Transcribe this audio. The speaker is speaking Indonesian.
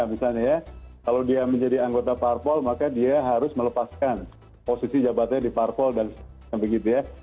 misalnya ya kalau dia menjadi anggota parpol maka dia harus melepaskan posisi jabatannya di parpol dan sebagainya begitu ya